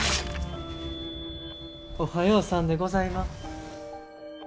おはようさんでございます。